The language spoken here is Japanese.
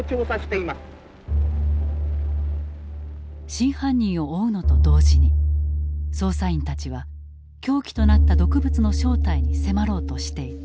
真犯人を追うのと同時に捜査員たちは凶器となった毒物の正体に迫ろうとしていた。